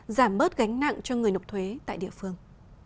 giảm bớt gánh nặng cho người nộp thuế tại địa phương